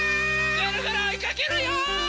ぐるぐるおいかけるよ！